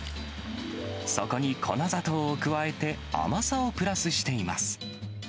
そこに粉砂糖を加えて、甘さをプラスしています。